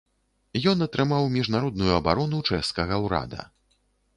Ён атрымаў міжнародную абарону чэшскага ўрада.